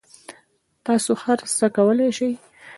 تاسو هر څه کولای شئ